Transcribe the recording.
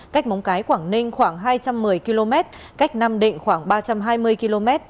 cách móng cái quảng ninh khoảng hai trăm một mươi km cách nam định khoảng ba trăm hai mươi km